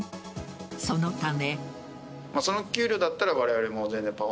そのため。